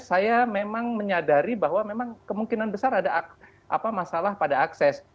saya memang menyadari bahwa memang kemungkinan besar ada masalah pada akses